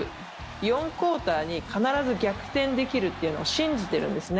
４クオーターに必ず逆転できるというのを信じてるんですね。